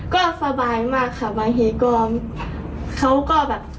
ก็สบายมากค่ะบางทีก็เขาก็แบบ